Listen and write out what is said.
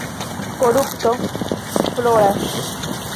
Korupto floras.